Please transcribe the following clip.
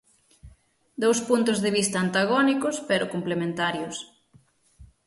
Dous puntos de vista antagónicos pero complementarios.